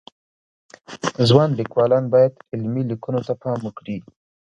ځوان لیکوالان باید علمی لیکنو ته پام وکړي